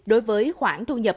đối với khoản thu nhập